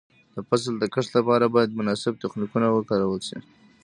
د فصل د کښت لپاره باید مناسب تخنیکونه وکارول شي.